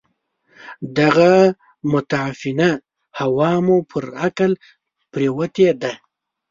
دغه متعفنه هوا مو پر عقل پرېوته ده.